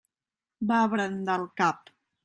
Va brandar el cap.